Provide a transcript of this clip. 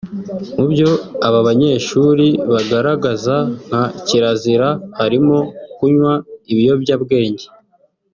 Mu byo aba banyeshuri bagaragaza nka kirazira harimo kunywa ibiyobya bwenge